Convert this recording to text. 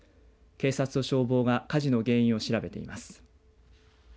警察と消防が火事の原因を調べています。